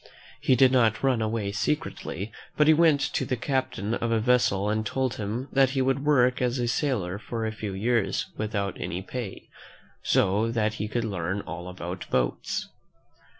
He did not run away secretly, but he went to the captain of a vessel and told him that he would work as a sailor for a few years without any pay, so that he could learn all about boats.